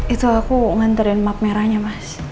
itu aku nganterin map merahnya mas